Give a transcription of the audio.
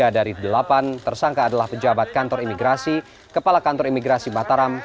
tiga dari delapan tersangka adalah pejabat kantor imigrasi kepala kantor imigrasi mataram